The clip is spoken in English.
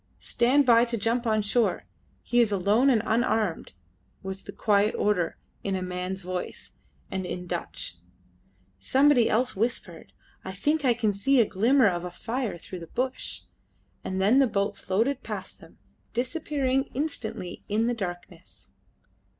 Stand by to jump on shore! He is alone and unarmed," was the quiet order in a man's voice, and in Dutch. Somebody else whispered: "I think I can see a glimmer of a fire through the bush." And then the boat floated past them, disappearing instantly in the darkness.